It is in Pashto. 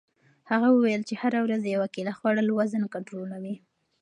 هغه وویل چې هره ورځ یوه کیله خوړل وزن کنټرولوي.